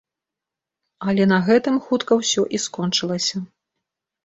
Але на гэтым хутка ўсё і скончылася.